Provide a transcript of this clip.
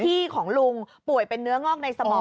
ของลุงป่วยเป็นเนื้องอกในสมอง